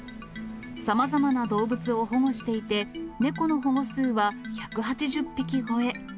さまざまな動物を保護していて、猫の保護数は１８０匹超え。